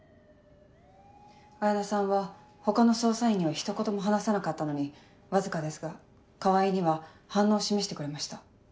彩菜さんは他の捜査員にはひと言も話さなかったのにわずかですが川合には反応を示してくれました。